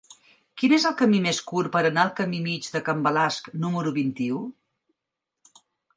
Quin és el camí més curt per anar al camí Mig de Can Balasc número vint-i-u?